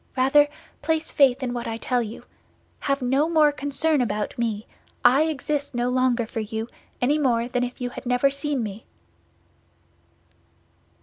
Rather, place faith in what I tell you. Have no more concern about me; I exist no longer for you, any more than if you had never seen me."